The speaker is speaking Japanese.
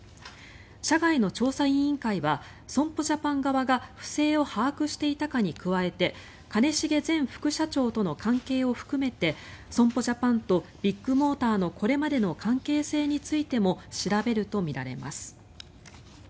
社外の調査委員会は損保ジャパン側が不正を把握していたかに加えて兼重前副社長との関係を含めて損保ジャパンとビッグモーターのこれまでの関係性についても調べるとみられます。